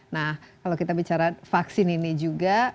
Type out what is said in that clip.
nah kalau kita bicara vaksin ini juga